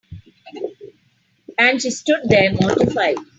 And she stood there mortified.